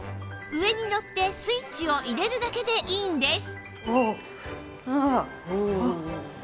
上に乗ってスイッチを入れるだけでいいんです